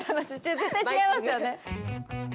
絶対違いますよね？